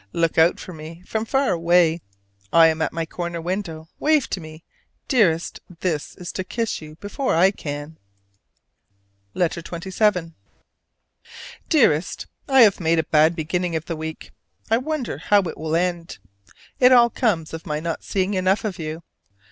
Look out for me from far away, I am at my corner window: wave to me! Dearest, this is to kiss you before I can. LETTER XXVII. Dearest: I have made a bad beginning of the week: I wonder how it will end? it all comes of my not seeing enough of you.